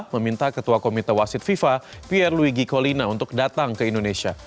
meminta ketua komite wasit fifa pierluigi colina untuk datang ke indonesia